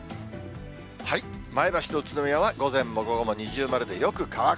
前橋と宇都宮は午前も午後も二重丸でよく乾く。